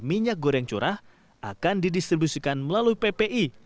minyak goreng curah akan didistribusikan melalui ppi